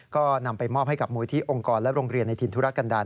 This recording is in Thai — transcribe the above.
ก็นำไปมอบให้กับมูลที่องค์กรและโรงเรียนในถิ่นธุรกันดาล